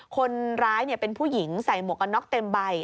คนร้ายเป็นผู้หญิงใส่หมวกกันน็อกเต็มใบ